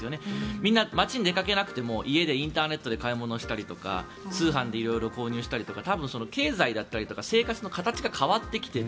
みんな、街に出かけなくても家でインターネットで買い物したりとか通販で色々購入したりとか経済だったりとか生活の形が変わってきている。